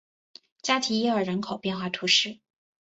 加提耶尔人口变化图示